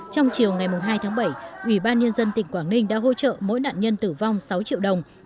trong chiều ngày hai tháng bảy ủy ban nhân dân tỉnh quảng ninh đã hỗ trợ mỗi nạn nhân tử vong sáu triệu đồng